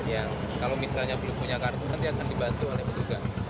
yang kalau misalnya belum punya kartu nanti akan dibantu oleh petugas